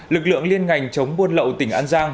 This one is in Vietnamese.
lực lượng liên ngành chống buôn lậu tỉnh an giang